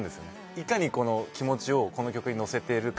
いかに気持ちをこの曲にのせているか。